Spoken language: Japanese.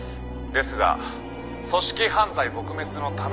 「ですが組織犯罪撲滅のために」